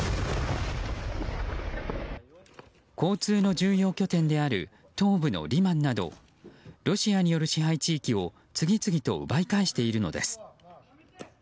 交通の重要拠点である東部のリマンなどロシアによる支配地域を次々と奪い返しているのです。